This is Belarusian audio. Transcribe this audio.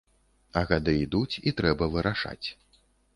А гады ідуць, і трэба вырашаць.